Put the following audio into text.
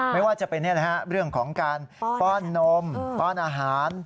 ไม่ว่าจะเป็นเรื่องของการป้อนนมป้อนอาหาร